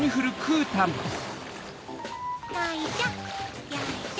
よいしょよいしょ。